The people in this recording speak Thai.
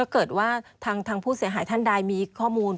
เกิดว่าทางผู้เสียหายท่านใดมีข้อมูล